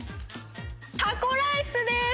タコライスです！